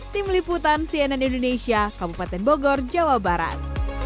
tim liputan cnn indonesia kabupaten bogor jawa barat